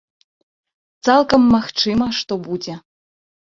Цалкам магчыма, што будзе.